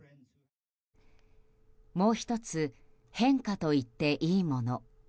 もう１つ変化といっていいもの。